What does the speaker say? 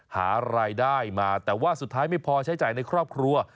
หารายได้มาแต่ว่าสุดท้ายไม่พอใช้จ่ายในครอบครัว